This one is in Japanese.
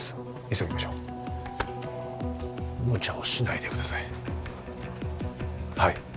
急ぎましょうむちゃをしないでください